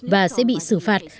và sẽ bị xử phạt